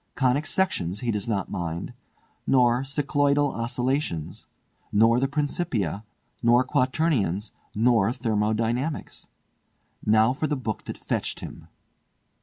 "Conic Sections he does not mind, nor Cycloidal Oscillations, nor the Principia, nor Quaternions, nor Thermodynamics. Now for the book that fetched him!"